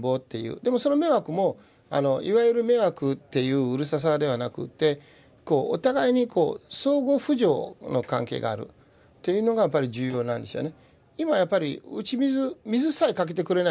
でもその迷惑もいわゆる迷惑っていううるささではなくってお互いにこう相互扶助の関係があるっていうのがやっぱり重要なんですよね。